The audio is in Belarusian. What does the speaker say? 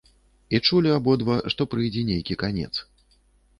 І чулі абодва, што прыйдзе нейкі канец.